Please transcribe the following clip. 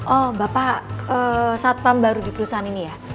oh bapak satpam baru di perusahaan ini ya